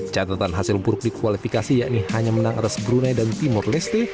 catatan hasil buruk di kualifikasi yakni hanya menang atas brunei dan timur leste